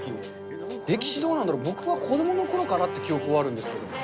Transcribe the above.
歴史どうなんだろ、僕は子どものころからあった記憶はあるんですけど。